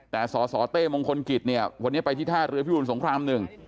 แต่สสเต้มงคลกิจวันนี้ไปที่ท่าเรือพี่หุ่นสงครามหนึ่ง